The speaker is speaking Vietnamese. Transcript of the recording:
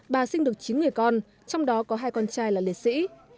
bà sinh được chín người con trong đó có hai con trai là liệt sĩ